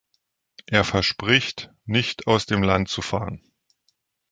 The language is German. Er verspricht, nicht aus dem Land zu fahren.